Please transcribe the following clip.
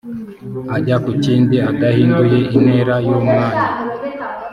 ajya ku kindi adahinduye intera y umwanya